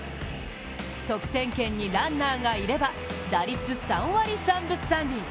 得点圏にランナーがいれば、打率３割３分３厘。